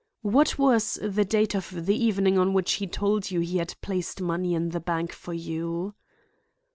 "What was the date of the evening on which he told you he had placed money in bank for you?"